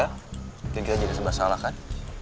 mungkin kita jadi sebahasalah kan